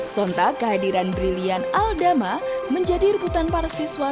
sontak kehadiran brilian aldama menjadi ruputan para siswa